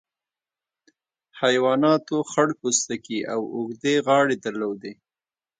حیواناتو خړ پوستکي او اوږدې غاړې درلودې.